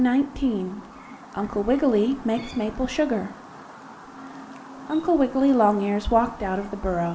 XIX UNCLE WIGGILY MAKES MAPLE SUGAR Uncle Wiggily Longears walked out of the burrow.